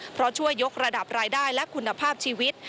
เพราะช่วยยกระดับรายได้และคุณภาพชีวิต